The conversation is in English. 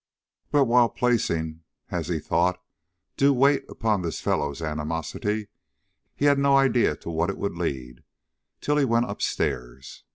But while placing, as he thought, due weight upon this fellow's animosity, he had no idea to what it would lead, till he went up stairs.